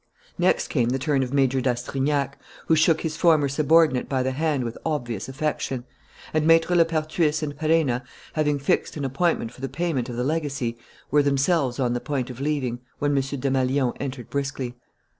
Next came the turn of Major d'Astrignac, who shook his former subordinate by the hand with obvious affection. And Maître Lepertais and Perenna, having fixed an appointment for the payment of the legacy, were themselves on the point of leaving, when M. Desmalions entered briskly.